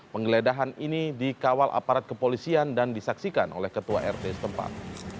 penggeledahan ini dikawal aparat kepolisian dan disaksikan oleh ketua rt setempat